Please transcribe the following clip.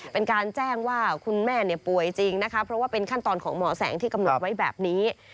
เป็นการแจ้งว่าคุณแม่ป่วยจริงนะคะเพราะว่าเป็นขั้นตอนของหมอแสงที่กำหนดไว้แบบนี้